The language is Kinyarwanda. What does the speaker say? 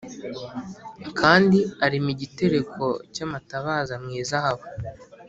Kandi arema igitereko cy amatabaza mu izahabu